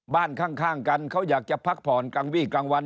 บ้านข้างกันเขาอยากจะพักผ่อนกลางวี่กลางวัน